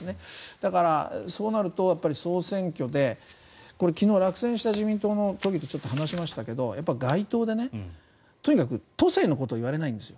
だから、そうなると総選挙で昨日落選した自民党の都議と話しましたけど街頭でとにかく都政のことを言われないんですよ。